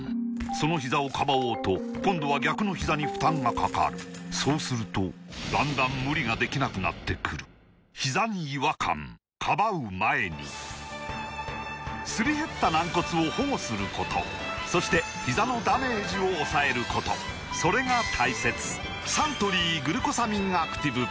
そのひざをかばおうと今度は逆のひざに負担がかかるそうするとだんだん無理ができなくなってくるすり減った軟骨を保護することそしてひざのダメージを抑えることそれが大切サントリー「グルコサミンアクティブ」